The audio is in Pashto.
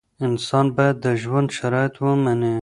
انسان باید د ژوند شرایط ومني.